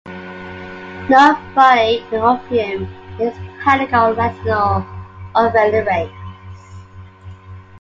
Nobody in Opheim is Hispanic or Latino of any race.